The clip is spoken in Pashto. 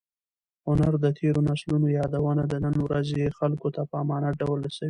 هنر د تېرو نسلونو یادونه د نن ورځې خلکو ته په امانت ډول رسوي.